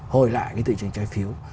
hồi lại cái thị trường trái phiếu